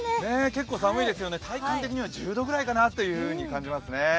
結構寒いですね、体感的には１０度くらいかなと感じますね。